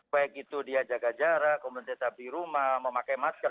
baik itu dia jaga jarak kemudian tetap di rumah memakai masker